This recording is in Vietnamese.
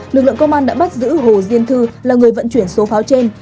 lực lượng công an đã bắt giữ hồ diên thư là người vận chuyển số pháo trên